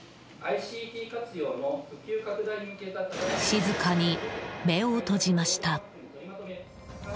静かに目を閉じました。